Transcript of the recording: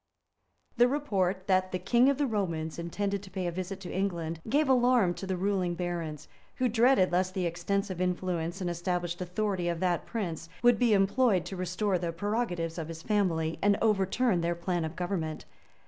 {1259.} The report that the king of the Romans intended to pay a visit to England, gave alarm to the ruling barons, who dreaded lest the extensive influence and established authority of that prince would be employed to restore the prerogatives of his family, and overturn their plan of government.